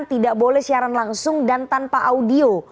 tidak boleh siaran langsung dan tanpa audio